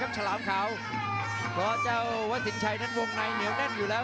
มาค่อการคั้นที่ซ้ายอีกแล้ว